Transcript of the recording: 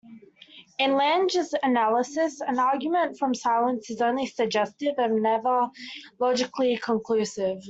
In Lange's analysis, an argument from silence is only suggestive and never logically conclusive.